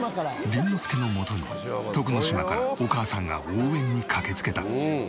倫之亮の元に徳之島からお母さんが応援に駆けつけた。